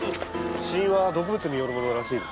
死因は毒物によるものらしいです。